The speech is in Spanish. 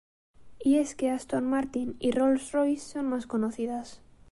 Y es que Aston Martin y Rolls-Royce son más conocidas.